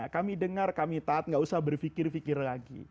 kami dengar kami taat gak usah berpikir pikir lagi